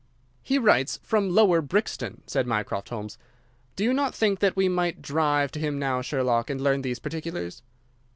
"He writes from Lower Brixton," said Mycroft Holmes. "Do you not think that we might drive to him now, Sherlock, and learn these particulars?"